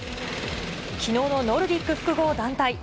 きのうのノルディック複合団体。